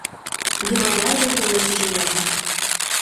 Голова его была тяжела.